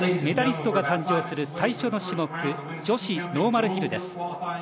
メダリストが誕生する最初の種目女子ノーマルヒルです。